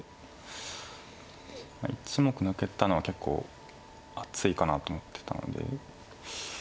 １目抜けたのは結構厚いかなと思ってたので。